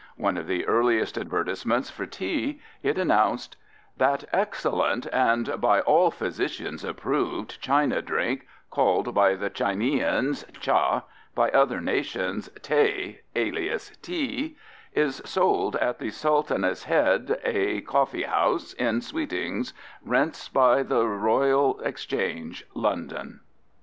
One of the earliest advertisements for tea, it announced: That Excellent, and by all Physitians approved, China Drink, called by the Chineans, Tcha, by other nations Tay alias Tee, is sold at the Sultaness head, a Cophee house in Sweetings Rents by The Royal Exchange, London.